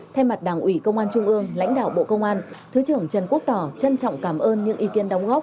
thay mặt đảng ủy công an trung ương lãnh đạo bộ công an thứ trưởng trần quốc tỏ trân trọng cảm ơn những ý kiến đóng góp